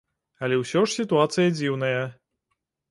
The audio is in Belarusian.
Але ўсё ж сітуацыя дзіўная.